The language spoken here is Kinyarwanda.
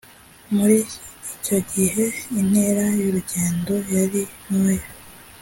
muri icyo gihe intera y urugendo yari ntoya